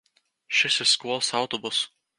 Šis ir skolas autobuss.